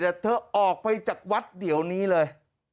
แต่เธอออกไปจากวัดเดี๋ยวนี้เลย